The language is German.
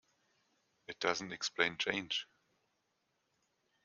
It doesn’t explain change.